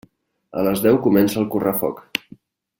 A les deu comença el correfoc.